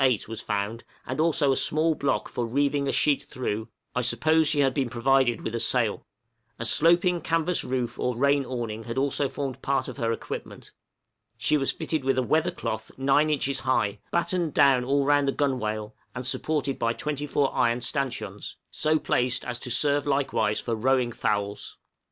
8, was found, and also a small block for reeving a sheet through, I suppose she had been provided with a sail. A sloping canvas roof or rain awning had also formed part of her equipment. She was fitted with a weather cloth 9 inches high, battened down all round the gunwale, and supported by 24 iron stanchions, so placed as to serve likewise for rowing thowels.